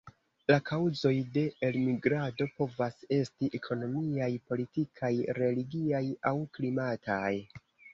La kaŭzoj de elmigrado povas esti ekonomiaj, politikaj, religiaj aŭ klimataj.